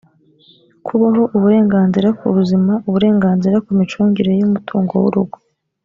kubaho uburenganzira ku buzima uburenganzira ku micungire y umutungo w urugo